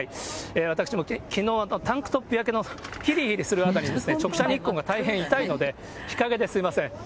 私もきのう、タンクトップ焼けのひりひりする辺り、直射日光が大変痛いので、日陰ですみません。